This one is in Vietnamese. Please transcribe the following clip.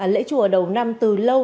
lễ chùa đầu năm từ lâu đến nay